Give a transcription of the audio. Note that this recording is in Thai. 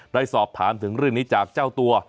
ได้สอบถามถึงเรื่องนี้จากเจ้าตัว